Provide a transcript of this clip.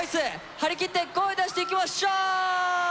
張り切って声出していきましょう！